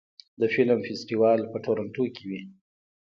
د فلم فستیوال په تورنټو کې وي.